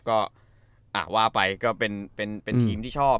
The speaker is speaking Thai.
แล้วก็อ่าว่าไปเป็นทีมที่ชอบ